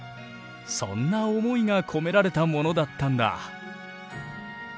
そんな思いが込められたものだったんだ。